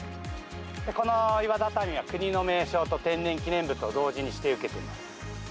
この岩畳は国の名勝と天然記念物を同時に指定を受けています。